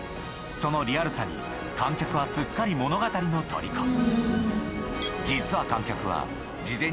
そのリアルさに観客はすっかり物語のとりこ